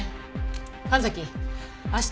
神崎明日